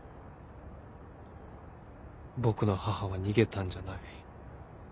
僕の母は逃げたんじゃない。